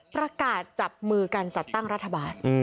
ประกาศจับมือกันจัดตั้งรัฐบาล